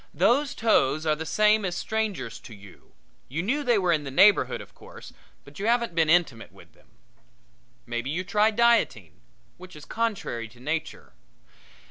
Those toes are the same as strangers to you you knew they were in the neighborhood, of course, but you haven't been intimate with them. Maybe you try dieting, which is contrary to nature.